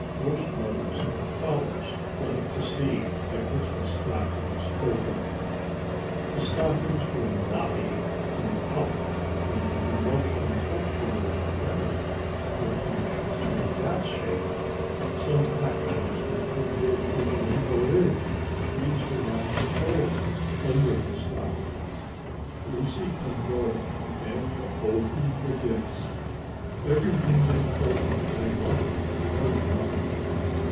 Most mothers and fathers like to see the Christmas stockings opened. The stockings were knobby and puffed and would be most uncomfortable to wear if they should stay that shape. Some packages were too big even to go in. These were on the floor under the stockings. Lucy and Dora began to open the gifts, and everything they opened they liked very much.